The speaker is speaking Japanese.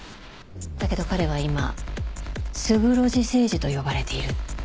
だけど彼は今スグロジセイジと呼ばれているって。